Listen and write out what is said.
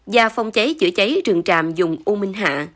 và phong cháy chữa cháy trường tràm dùng u minh hạ